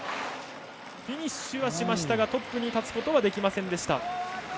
フィニッシュはしましたがトップに立つことはできませんでした。